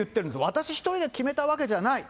私一人で決めたわけじゃない。